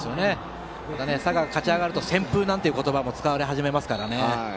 佐賀が勝ち上がると旋風という言葉が使われ始めますからね。